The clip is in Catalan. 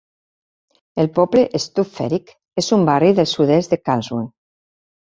El poble Stupferich és un barri del sud-est de Karlsruhe.